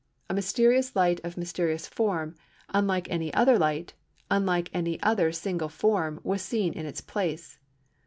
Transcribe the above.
A mysterious light of mysterious form, unlike any other light, unlike any other single form, was seen in its place.